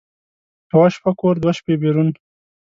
یوه شپه کور، دوه شپه بېرون.